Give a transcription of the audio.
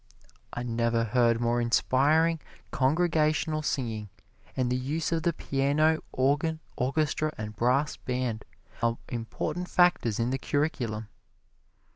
I never heard more inspiring congregational singing, and the use of the piano, organ, orchestra and brass band are important factors in the curriculum.